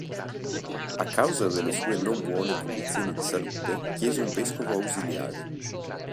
A causa delle sue non buone condizioni di salute chiese un vescovo ausiliare.